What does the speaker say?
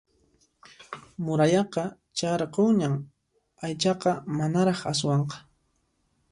Murayaqa chayarqunñan aychaqa manaraq aswanqa